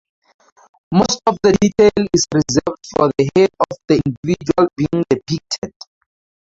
Most of the detail is reserved for the head of the individual being depicted.